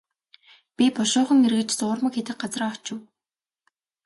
Би бушуухан эргэж зуурмаг хийдэг газраа очив.